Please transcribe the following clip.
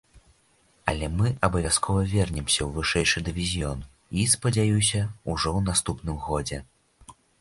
Але мы абавязкова вернемся ў вышэйшы дывізіён, і, спадзяюся, ужо ў наступным годзе.